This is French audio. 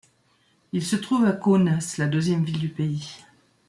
Il se trouve à Kaunas, la deuxième ville du pays.